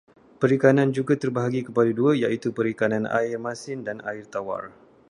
Perikanan juga terbahagi kepada dua, iaitu perikanan air masin dan air tawar.